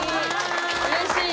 うれしい！